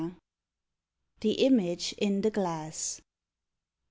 THE IMAGE IN THE GLASS.